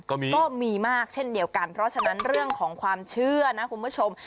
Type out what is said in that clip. ก็มีก็มีมากเช่นเดียวกันเพราะฉะนั้นเรื่องของความเชื่อนะคุณผู้ชม